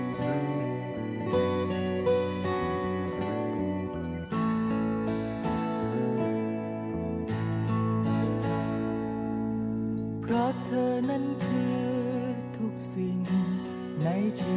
เพื่อเธอนั่นคือทุกสิ่งในชีวิต